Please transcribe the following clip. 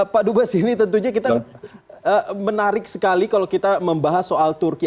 pak dubas ini tentunya kita menarik sekali kalau kita membahas soal turki